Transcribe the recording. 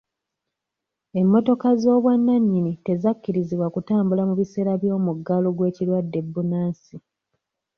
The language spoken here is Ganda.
Emmotoka z'obwannannyini tezakkirizibwa kutambula mu biseera by'omuggalo gw'ekirwadde bbunansi.